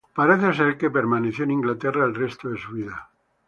Parece ser que permaneció en Inglaterra el resto de su vida.